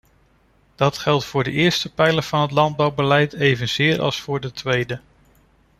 Dat geldt voor de eerste pijler van het landbouwbeleid evenzeer als voor de tweede.